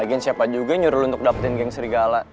lagian siapa juga nyuruh lo untuk dapetin geng serigala